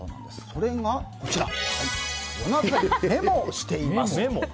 それが、夜中にメモをしています。